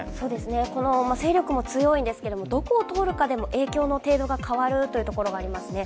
このまま勢力も強いんですが、どこを通るかでも、影響の程度が変わるというところもありますね。